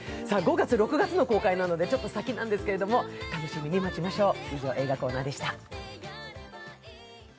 ５月、６月の公開なのでちょっと先なんですけれども、楽しみに待ちましょう。